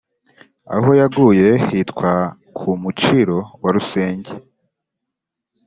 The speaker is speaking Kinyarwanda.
aho yaguye hitwa ku muciro wa rusenge